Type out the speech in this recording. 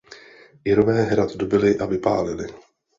Irové hrad dobyli a vypálili.